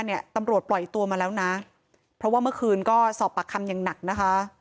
เนี่ยตำรวจปล่อยตัวมาแล้วนะเพราะว่าเมื่อคืนก็สอบปากคำอย่างหนักนะคะ